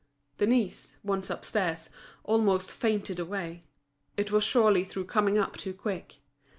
Denise, once upstairs, almost fainted away. It was surely through coming up too quick.